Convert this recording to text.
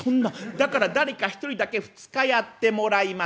「だから誰か一人だけ２日やってもらいます。